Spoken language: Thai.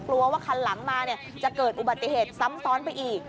กลัวว่าคันหลังมาจะเกิดอุบัติเหตุซ้ำซ้อนไปอีก